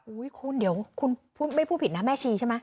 คุณเดี๋ยวคุณไม่พูดผิดนะแม่ชีใช่ไหม